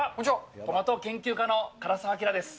トマト研究家の唐沢明です。